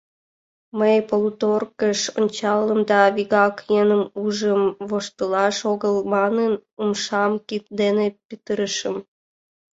Мый полуторкыш ончальым да вигак еҥым ужым воштылаш огыл манын, умшам кид дене петырышым.